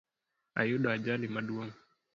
Ayudo ajali maduong